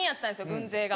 軍勢が。